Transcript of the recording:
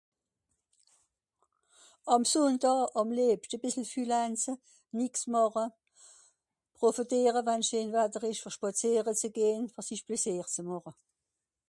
àm Sundaa àm lebschte bìssle füllänse nix màche proféteere wann scheen watter esch ver spàziere gehn ver s'ìsch plaisier zù màche